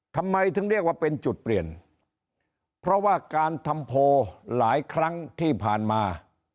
ทำไมถึงเรียกว่าเป็นจุดเปลี่ยนเพราะว่าการทำโพลหลายครั้งที่ผ่านมา